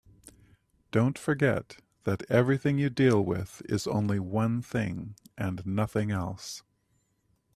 Don't forget that everything you deal with is only one thing and nothing else.